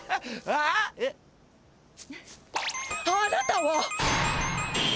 あなたは！